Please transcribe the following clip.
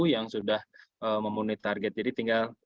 yang sudah memunit target